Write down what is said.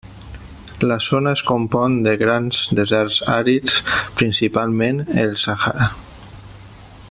La zona es compon de grans deserts àrids, principalment el Sàhara.